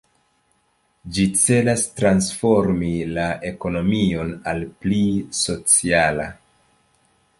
Ĝi celas transformi la ekonomion al pli sociala.